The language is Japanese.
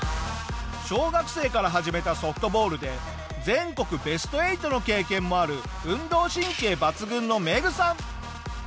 小学生から始めたソフトボールで全国ベスト８の経験もある運動神経抜群のメグさん。